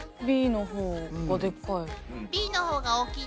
Ｂの方がでかい。